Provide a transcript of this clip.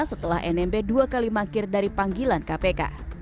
setelah nmb dua kali mangkir dari panggilan kpk